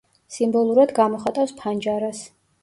სიმბოლურად გამოხატავს ფანჯარას.